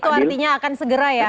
itu artinya akan segera ya